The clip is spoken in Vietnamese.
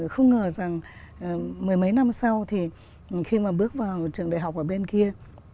không ngờ rằng mười mấy năm sau thì khi mà bước vào trường đại học ở bên kia